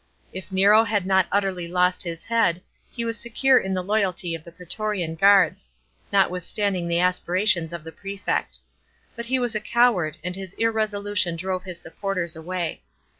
If Nero had not utterly lost his head, he was secure in the loyalty of the praetorian guards, notwithstanding the aspirations of the prefect. But he was a coward, and his irresolution drove his supporters away.